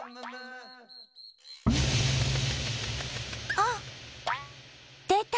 あっでた！